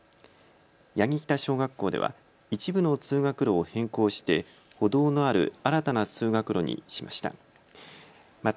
八木北小学校では一部の通学路を変更して歩道のある新たな通学路にしました。